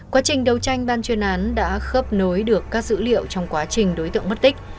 quá trình đấu tranh ban truy nán đã khớp nối được các dữ liệu trong quá trình đối tượng bất tích